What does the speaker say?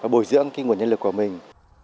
bồi dưỡng cái nguồn nhân lực của mình